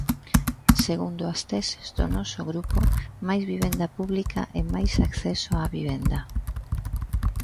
Segundo as teses do noso grupo, máis vivenda pública é máis acceso á vivenda.